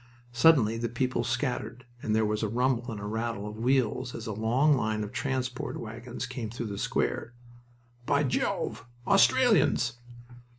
Suddenly the people scattered, and there was a rumble and rattle of wheels as a long line of transport wagons came through the square. "By Jove!... Australians!"